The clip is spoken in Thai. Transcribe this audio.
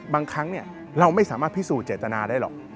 บางครั้งเราไม่สามารถพิสูจน์เจตนาได้หรอก